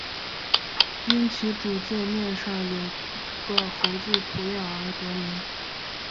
因其主界面上有个猴子图样而得名。